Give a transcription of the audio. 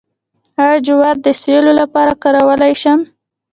آیا جوار د سیلو لپاره کارولی شم؟